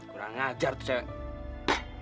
kurang ngajar tuh cewek